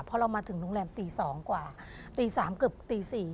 พอเรามาถึงโรงแรมตี๒กว่าตี๓เกือบตี๔